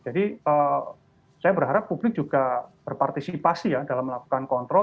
jadi saya berharap publik juga berpartisipasi ya dalam melakukan kontrol